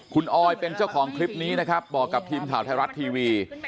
คุณออยเป็นเจ้าของคลิปนี้นะครับบอกกับทีมข่าวไทยรัฐทีวี